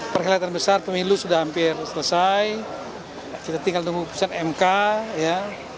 perhelatan besar pemilu sudah hampir selesai kita tinggal tunggu keputusan mk ya